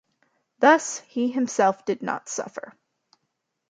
Thus he himself did not suffer.